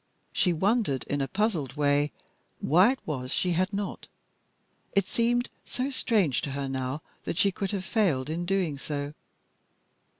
She wondered in a puzzled way why it was that she had not. It seemed so strange to her now that she could have failed in doing so.